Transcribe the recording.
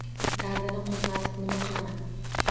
Dardini qo‘zg‘atib nima qilaman?